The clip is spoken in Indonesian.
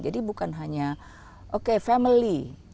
jadi bukan hanya oke family